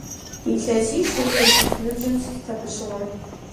Илъэсищ е илъэситху ныбжьым ситт абы щыгъуэ.